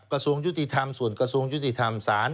กระทรวงยุติธรรมส่วนกระทรวงยุติธรรมศาล